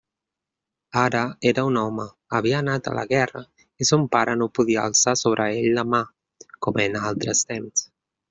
Ara era un home; havia anat a la guerra, i son pare no podia alçar sobre ell la mà, com en altres temps.